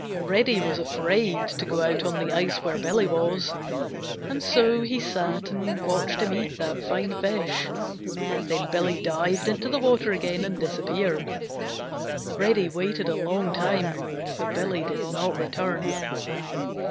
Reddy was afraid to go out on the ice where Billy was, and so he sat and watched him eat that fine fish. Then Billy dived into the water again and disappeared. Reddy waited a long time, but Billy did not return.